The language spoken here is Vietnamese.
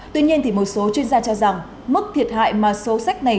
tuy nhiên một số chuyên gia cho rằng mức thiệt hại mà số sách này